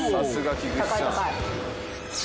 高い高い。